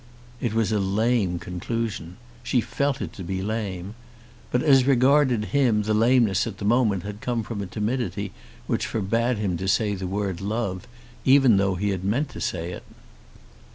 It was a lame conclusion. She felt it to be lame. But as regarded him, the lameness at the moment had come from a timidity which forbade him to say the word "love" even though he had meant to say it.